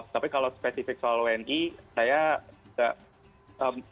tapi kalau spesifik soal wni saya tidak